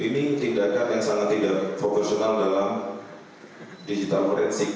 ini tindakan yang sangat tidak profesional dalam digital forensik